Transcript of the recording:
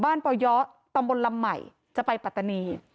บ้านปอย๊้อนสพลำไหมจะไปปัตธณีย์